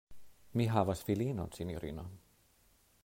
Mi havas filinon, sinjorino!